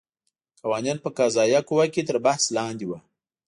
قوانین په قضایه قوه کې تر بحث لاندې وو.